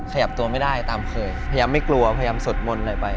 ขยับตัวไม่ได้ตามเคยพยายามไม่กลัวพยายามสวดมนต์อะไรไป